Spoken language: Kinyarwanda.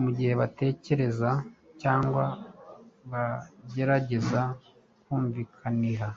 mugihe batekereza cyangwa bagerageza kumvikaniha